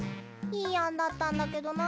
いいあんだったんだけどな。